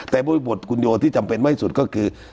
แต่บริบทคุณโยที่จำเป็นมากที่สุดก็คือ